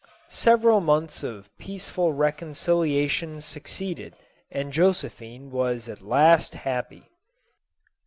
Several months of peaceful reconciliation succeeded, and Josephine was at last happy.